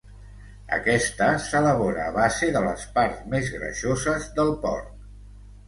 Aquesta s'elabora a base de les parts més greixoses del porc.